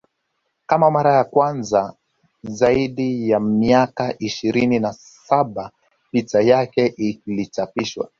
Kwa mara ya kwanza zaidi ya miaka ishirini na saba picha yake ilichapishwa